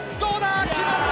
決まった！